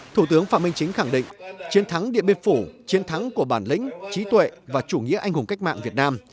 thủ tướng phạm minh chính khẳng định chiến thắng điện biên phủ chiến thắng của bản lĩnh trí tuệ và chủ nghĩa anh hùng cách mạng việt nam